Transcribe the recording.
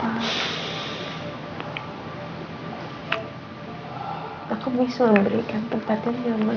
tapi aku juga bisa berikan tempat yang nyaman